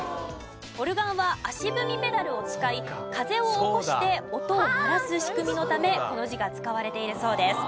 オルガンは足踏みペダルを使い風を起こして音を鳴らす仕組みのためこの字が使われているそうです。